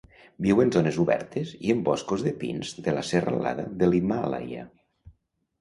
Viu en zones obertes i en boscos de pins de la serralada de l'Himàlaia.